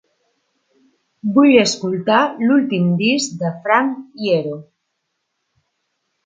Vull escoltar l'últim disc de Frank Iero